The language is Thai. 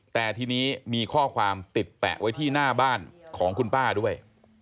แต่ทีนี้มีข้อความติดแปะไว้ที่หน้าบ้านของคุณป้าด้วย